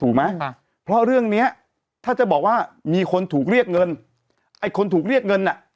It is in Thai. เพราะเรื่องเนี้ยถ้าจะบอกว่ามีคนถูกเรียกเงินไอ้คนถูกเรียกเงินอ่ะ